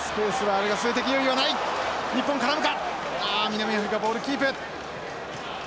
ああ南アフリカボールキープ！